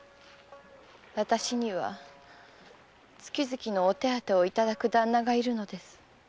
私には月々のお手当を頂く旦那がいるのです。